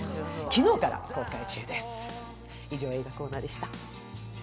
昨日から公開中です。